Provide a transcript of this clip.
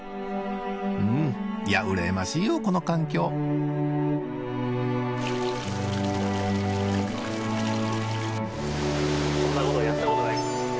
うんいやうらやましいよこの環境こんなことやったことない。